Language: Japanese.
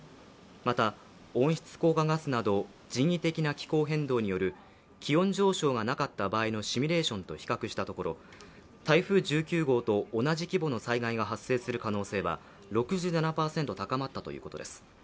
また温室効果ガスなど人為的な気候変動による気温上昇がなかった場合のシミュレーションと比較したところ、台風１９号と同じ規模の災害が発生する可能性は６７％高まったということです。